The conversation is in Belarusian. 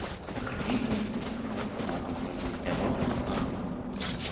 Аканіцы будуць пафарбаваны ў рознакаляровую фарбу.